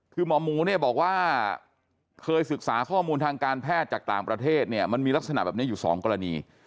คือหมอหมูเนี่ยบอกว่าเคยศึกษาข้อมูลทางการแพทย์จากต่างประเทศเนี่ยมันมีลักษณะแบบนี้อยู่๒กรณี